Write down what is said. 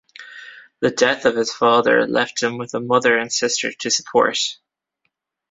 The death of his father left him with a mother and sister to support.